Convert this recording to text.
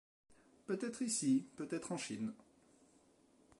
Peut-être ici, peut-être en Chine.